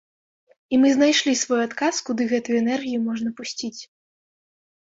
І мы знайшлі свой адказ, куды гэтую энергію можна пусціць.